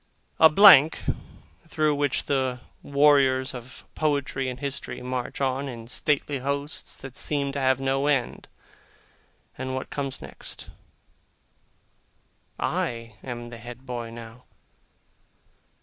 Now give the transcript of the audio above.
A blank, through which the warriors of poetry and history march on in stately hosts that seem to have no end and what comes next! I am the head boy, now!